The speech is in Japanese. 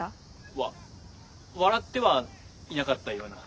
わ笑ってはいなかったような。